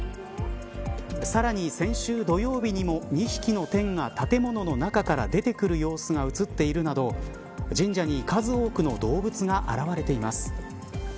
さらに先週、土曜日にも２匹のテンが建物の中から出てくる様子が映っているなど神社に数多くの動物が現れています。